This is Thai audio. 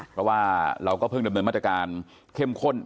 เพราะว่าเราก็เพิ่งดำเนินมาตรการเข้มข้น